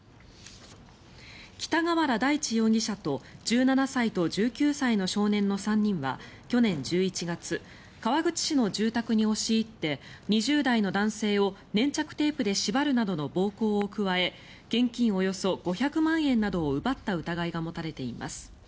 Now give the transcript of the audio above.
北河原大地容疑者と１７歳と１９歳の少年の３人は去年１１月川口市の住宅に押し入って２０代の男性を粘着テープで縛るなどの暴行を加え現金およそ５００万円などを奪った疑いが持たれています。